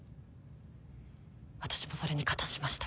私もそれに加担しました。